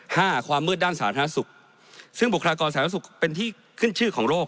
ความมืดด้านสาธารณสุขซึ่งบุคลากรสาธารณสุขเป็นที่ขึ้นชื่อของโลก